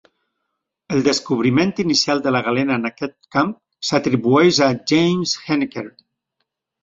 El descobriment inicial de la galena en aquest camp s'atribueix a James Heneker.